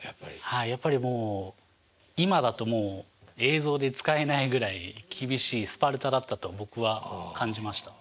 はいやっぱりもう今だともう映像で使えないぐらい厳しいスパルタだったと僕は感じました。